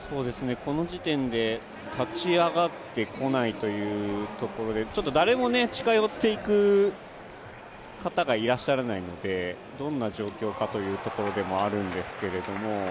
この時点で立ち上がってこないというところで誰も近寄っていく方がいらっしゃらないので、どんな状況かというところでもあるんですけれども。